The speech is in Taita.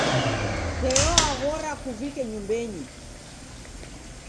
Ndeo waghora kuvike nyumbenyi.